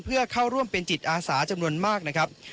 เพื่อเข้าร่วมเป็นจิตอาสาจำนวนมากนะครับ